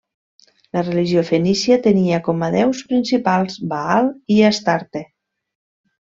La religió fenícia tenia com a déus principals Baal i Astarte.